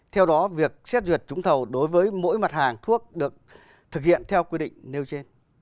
theo đó việc xét duyệt trúng thầu đối với mỗi mặt hàng thuốc được thực hiện theo quy định nêu trên